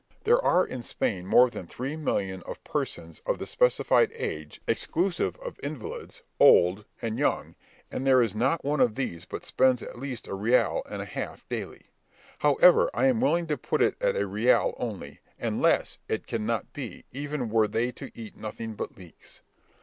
There are in Spain more than three millions of persons of the specified age, exclusive of invalids, old, and young, and there is not one of these but spends at least a real and a half daily; however, I am willing to put it at a real only, and less it cannot be, even were they to eat nothing but leeks.